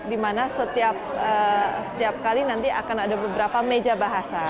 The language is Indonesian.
dimana setiap kali nanti akan ada beberapa meja bahasa